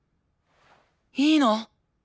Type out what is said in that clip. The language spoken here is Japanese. いいの！？